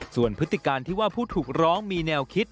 ส่วนพฤติการที่ว่าผู้ถูกร้องมีแนวคิด